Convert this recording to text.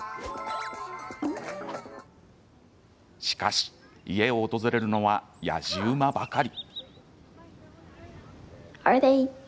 しかし、家を訪れるのはやじ馬ばかり。